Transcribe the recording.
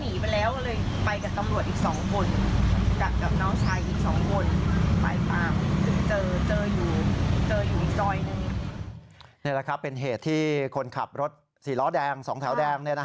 นี่แหละครับเป็นเหตุที่คนขับรถสีล้อแดง๒แถวแดง